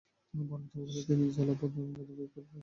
পরবর্তীকালে তিনি ঝ্বা-লু বৌদ্ধবিহারে ভিক্ষুর শপথ গ্রহণ করেন।